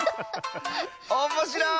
おっもしろい！